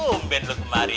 tumben lo kemari